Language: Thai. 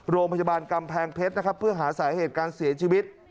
โรงพยาบาลกำแพงเพชรนะครับเพื่อหาสาเหตุการเสียชีวิต